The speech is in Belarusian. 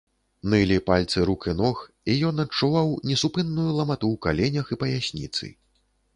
Нылі пальцы рук і ног, і ён адчуваў несупынную ламату ў каленях і паясніцы.